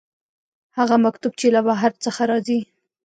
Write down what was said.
هغه مکتوب چې له بهر څخه راځي.